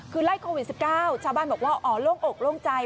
คือไล่โควิด๑๙ชาวบ้านบอกว่าอ๋อโล่งอกโล่งใจ